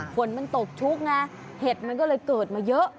ฝนมันตกชุกไงเห็ดมันก็เลยเกิดมาเยอะ